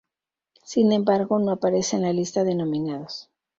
Sin embargo, no aparece en la lista de nominados.